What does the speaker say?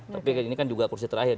tapi ini kan juga kursi terakhir